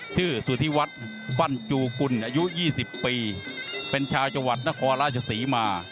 สุธิวัฒน์ปั้นจูกุลอายุ๒๐ปีเป็นชาวจังหวัดนครราชศรีมา